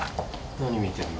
何見てんの？